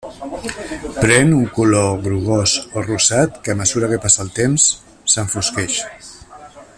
Pren un color grogós o rosat que a mesura que passa el temps s'enfosqueix.